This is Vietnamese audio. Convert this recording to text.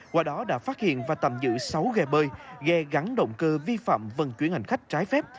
qua đó đã phát hiện và tạm giữ sáu ghe bơi gắn động cơ vi phạm vận chuyển hành khách trái phép